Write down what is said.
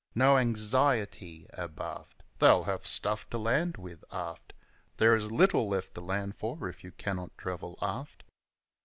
No anxiety abaft. They have stuff to land with, aft There is little left to land for if you cannot travel aft.